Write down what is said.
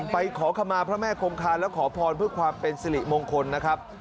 ขอขมาพระแม่คงคานและขอพรเพื่อความเป็นสิริมงคลนะครับ